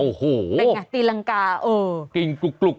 โอโหได้ไงตีลังกาเออกิจกรุก